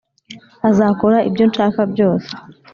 azakora ibyo nshaka byose